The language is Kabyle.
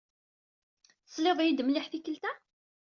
Tesliḍ-iyi-d mliḥ tikkelt-a?